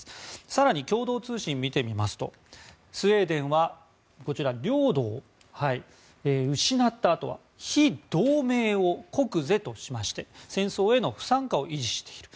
更に共同通信を見てみますとスウェーデンはこちら、領土を失ったあとは非同盟を国是としまして戦争への不参加を維持している。